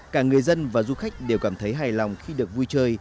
cả người dân và du khách đều cảm thấy hài lòng khi được vui chơi